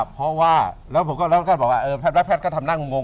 เพราะว่าแล้วก็บอกว่าแพทย์ก็ทำหน้างงง